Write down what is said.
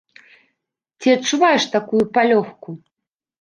Ці адчуваеш такую палёгку?